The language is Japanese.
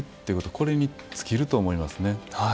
これに尽きると思いますね。